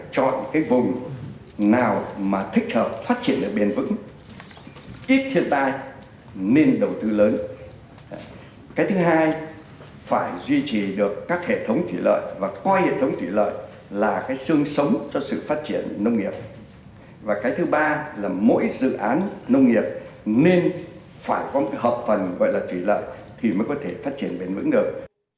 chọn cái vùng nào mà thích hợp phát triển được bền vững ít thiên tai nên đầu tư lớn cái thứ hai phải duy trì được các hệ thống thủy lợi và qua hệ thống thủy lợi là cái xương sống cho sự phát triển nông nghiệp và cái thứ ba là mỗi dự án nông nghiệp nên phải có một hợp phần gọi là thủy lợi thì mới có thể phát triển bền vững được